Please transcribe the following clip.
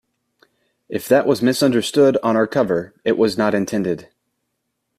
If that was misunderstood on our cover it was not intended.